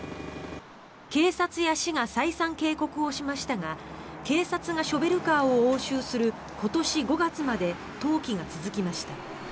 警察や市が再三警告をしましたが警察がショベルカーを押収する今年５月まで投棄が続きました。